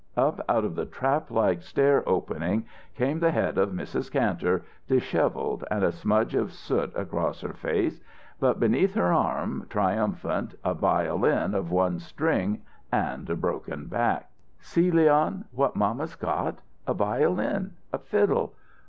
Up out of the traplike stair opening came the head of Mrs. Kantor, disheveled and a smudge of soot across her face, but beneath her arm, triumphant, a violin of one string and a broken back. "See, Leon what mamma got! A violin! A fiddle!